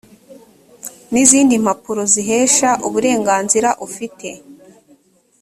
n izindi mpapuro zihesha uburenganzira uzifite